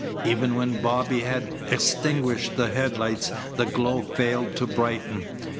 Even when Bobby had extinguished the headlights the glow failed to brighten.